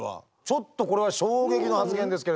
ちょっとこれは衝撃の発言ですけれども。